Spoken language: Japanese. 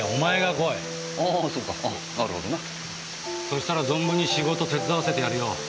そしたら存分に仕事手伝わせてやるよ。